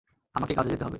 আমাকে কাজে যেতে হবে।